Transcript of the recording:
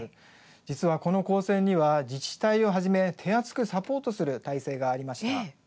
実は、この高専には自治体をはじめ手厚くサポートする体制がありました。